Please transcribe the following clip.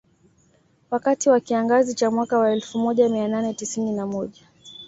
Wakati wa kiangazi cha mwaka wa elfu moja mia nane tisini na moja